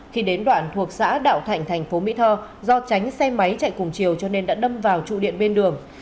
khi đến đoạn thuộc xã đạo thạnh thành phố mỹ tho do tránh xe máy chạy cùng chiều cho nên đã đâm vào trụ điện bên đường